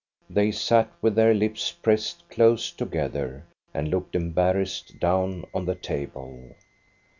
They sat with their lips pressed close together and looked embarrassed down on the table.